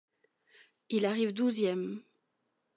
Il arrive douzième.